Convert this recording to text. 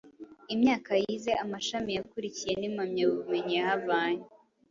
imyaka yize, amashami yakurikiye n’impamyabumenyi yahavanye.